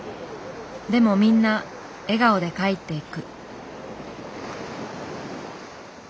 でもみんな笑顔で帰っていく。